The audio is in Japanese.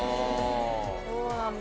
そうなんだ。